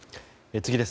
次です。